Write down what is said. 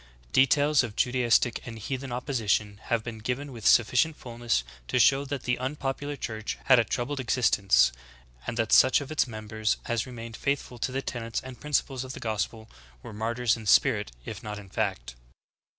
Details of Judaistic and heathen opposition have been given with sufficient fulness to show that the un popular Church had a troubled existence, and that such of its members as remained faithful to the tenets and principles o4 the gospel were martyrs in spirit if not in fact.